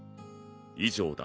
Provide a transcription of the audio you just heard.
以上だな。